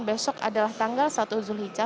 besok adalah tanggal satu zulhijjah